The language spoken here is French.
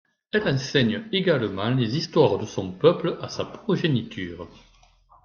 Elle enseigne également les histoires de son peuple à sa progéniture.